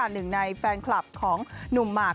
หนึ่งในแฟนคลับของหนุ่มหมาก